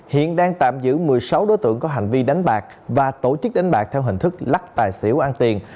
hiện đang tạm giữ một mươi sáu đối tượng có hành vi đánh bạc và tổ chức đánh bạc theo hình thức lắc tài xỉu ăn tiền